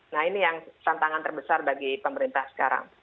nah ini yang tantangan terbesar bagi pemerintah sekarang